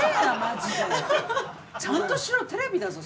ちゃんとしろテレビだぞ。